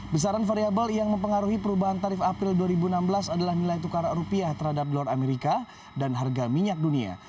besaran variable yang mempengaruhi perubahan tarif april dua ribu enam belas adalah nilai tukar rupiah terhadap dolar amerika dan harga minyak dunia